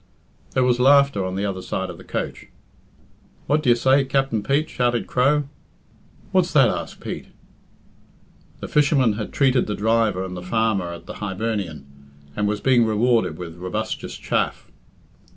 There was laughter on the other side of the coach. "What do you say, Capt'n Pete?" shouted Crow. "What's that?" asked Pete. The fisherman had treated the driver and the farmer at the Hibernian, and was being rewarded with robustious chaff.